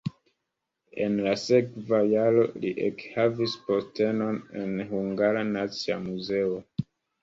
En la sekva jaro li ekhavis postenon en Hungara Nacia Muzeo.